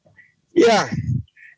pak sandiaga silahkan